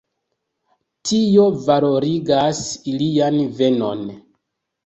Tio valorigas ilian venon.